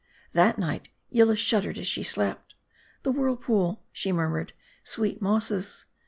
That night, Yillah shuddered as she slept. "The whirl pool," she murmured, " sweet mosses."